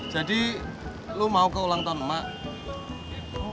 jadi lu mau ke ulang tahun emak